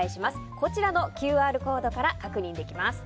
こちらのＱＲコードから確認できます。